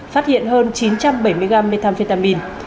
phát hiện hơn chín trăm bảy mươi gram methamphetamine